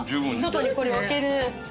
外にこれ置ける。